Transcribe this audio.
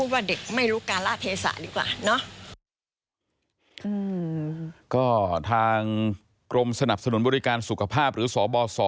ก็ทางกรมสนับสนุนบริการสุขภาพหรือสบส